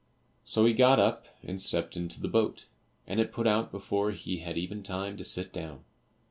So he got up and stepped into the boat, and it put out before he had even time to sit down.